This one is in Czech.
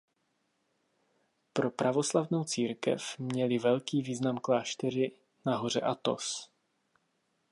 Pro pravoslavnou církev měly velký význam kláštery na hoře Athos.